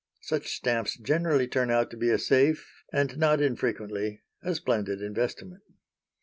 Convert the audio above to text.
Such stamps generally turn out to be a safe and not unfrequently a splendid investment.